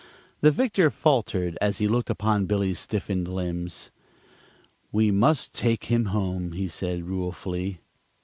The victor faltered as he looked upon Billy's stiffened limbs. "We must take him home," he said, ruefully.